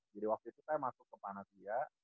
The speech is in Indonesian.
jadi waktu itu saya masuk ke panasia